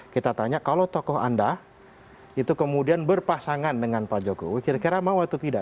kita tanya kalau tokoh anda itu kemudian berpasangan dengan pak jokowi kira kira mau atau tidak